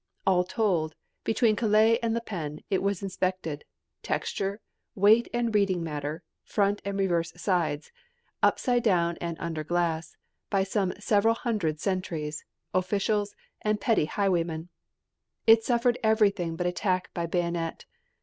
All told, between Calais and La Panne it was inspected texture, weight and reading matter, front and reverse sides, upside down and under glass by some several hundred sentries, officials and petty highwaymen. It suffered everything but attack by bayonet.